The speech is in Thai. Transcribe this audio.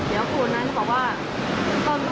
บอกพี่นี่ก็ดูดูนิกอลให้ดู